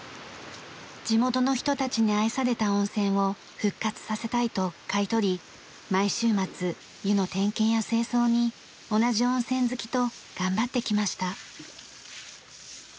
地元の人たちに愛された温泉を復活させたいと買い取り毎週末湯の点検や清掃に同じ温泉好きと頑張ってきました。